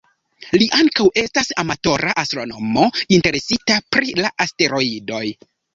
Li ankaŭ estas amatora astronomo interesita pri la asteroidoj.